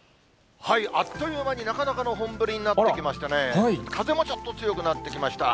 あっという間になかなかの本降りになってきましてね、風もちょっと強くなってきました。